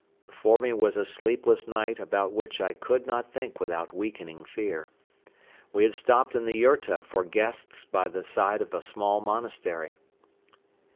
Before me was a sleepless night about which I could not think without weakening fear. We had stopped in the yurta for guests by the side of a small monastery.